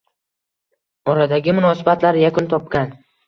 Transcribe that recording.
Oradagi munosabatlar yakun topgan